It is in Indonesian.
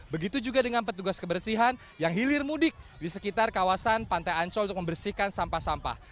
begitu juga dengan petugas kebersihan yang hilir mudik di sekitar kawasan pantai ancol untuk membersihkan sampah sampah